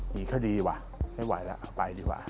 มีคดีว่ะไม่ไหวแล้วไปดีกว่า